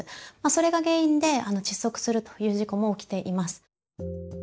それが原因で窒息するという事故も起きています。